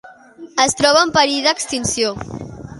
Es troba en perill d'extinció.